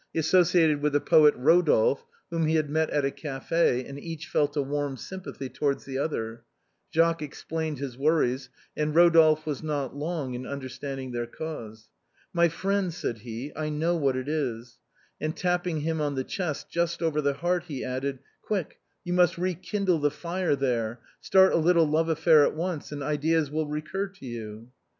He associated with the poet, Eodolphe, whom he had met at a café, and each felt a warm sympathy towards the other. Jacques ex plained his worries, and Eodolphe was not long in under standing their cause. " My friend," said he ;" I know what it is," and tapping him on the chest just over the heart he added, "Quick, you must rekindle the fire there, start a little love affair at once, and ideas will recur to you."